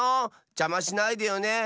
じゃましないでよね！